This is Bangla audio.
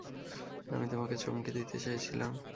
আমি তোমাকে চমকে দিতে চেয়েছিলাম।